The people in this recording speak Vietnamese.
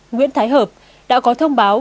nguyễn thái hợp đã có thông báo